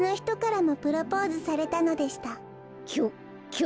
きょ